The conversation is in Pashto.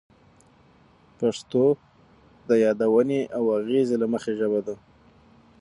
پښتو د یادونې او اغیزې له مخې ژبه ده.